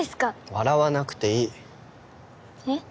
笑わなくていいえっ？